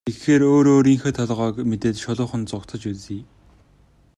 Тэгэхээр өөрөө өөрийнхөө толгойг мэдээд шулуухан зугтаж үзье.